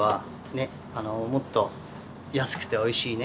もっと安くておいしいね